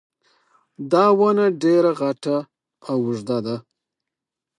دا ونه ډېره غټه او اوږده وه